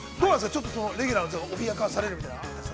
ちょっとレギュラーの座脅かされるみたいな。